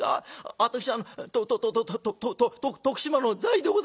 私あのとととと徳島の在でございます」。